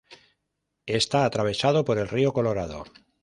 Está atravesado por el río Colorado.